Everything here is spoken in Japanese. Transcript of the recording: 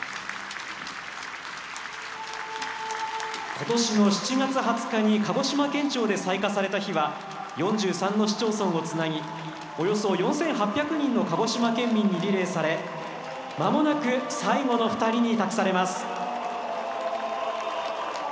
今年の７月２０日に鹿児島県庁で採火された火は４３の市町村をつなぎおよそ４８００人の鹿児島県民にリレーされまもなく最後の２人に託されます。